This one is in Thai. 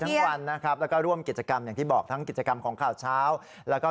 วันนะครับแล้วก็ร่วมกิจกรรมอย่างที่บอกทั้งกิจกรรมของข่าวเช้าแล้วก็